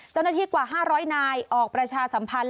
เจ้าหน้าที่กว่า๕๐๐นายออกประชาสัมพันธ์